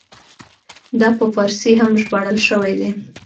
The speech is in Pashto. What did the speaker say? دا په فارسي هم ژباړل شوی دی.